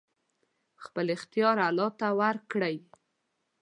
خپل اختيار الله ته ورکړئ!